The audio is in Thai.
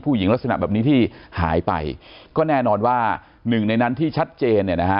ลักษณะแบบนี้ที่หายไปก็แน่นอนว่าหนึ่งในนั้นที่ชัดเจนเนี่ยนะฮะ